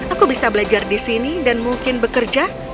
aku bisa belajar di sini dan mungkin bekerja